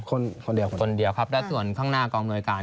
คนคนเดียวครับและส่วนข้างหน้ากองอำนวยการ